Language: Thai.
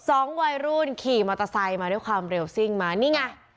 สองวัยรุ่นขี่มอเตอร์ไซค์มาด้วยความเร็วซิ่งมานี่ไง